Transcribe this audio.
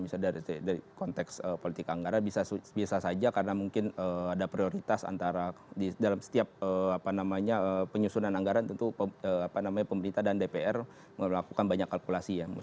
misalnya dari konteks politik anggaran biasa saja karena mungkin ada prioritas antara di dalam setiap penyusunan anggaran tentu pemerintah dan dpr melakukan banyak kalkulasi ya